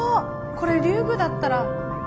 これ竜宮だったら。